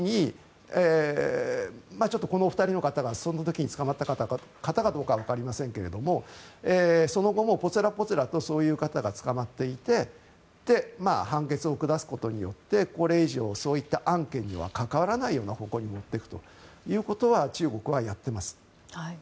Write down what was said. ちょっと、この２人の方がその時に捕まった方かどうかはわかりませんがその後も、ぽつらぽつらとそういった方々が捕まっていて判決を下すことでこれ以上そういった案件には関わらないような方向に持っていくということは中国はやっています。